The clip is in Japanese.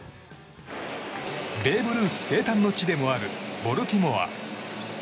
ベーブ・ルース生誕の地でもあるボルティモア。